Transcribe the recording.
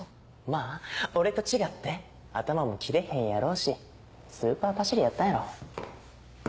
まぁ俺と違って頭も切れへんやろうしスーパーパシリやったんやろ。